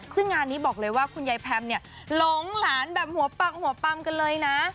ซึ่งงานนี้บอกเลยว่าคุณยายแพมเนี่ยหลงหลานแบบหัวปักหัวปำกันเลยนะ